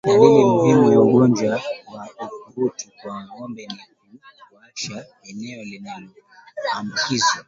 Dalili muhimu ya ugonjwa wa ukurutu kwa ngombe ni kuwashwa eneo lililoambukizwa